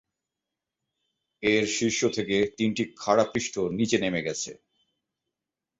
এর শীর্ষ থেকে তিনটি খাড়া পৃষ্ঠ নিচে নেমে গেছে।